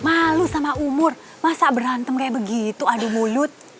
malu sama umur masa berantem kayak begitu adu mulut